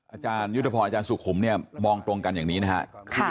อาจารย์ยุธพรอาจารย์สุขุมมองตรงกันอย่างนี้นะฮะ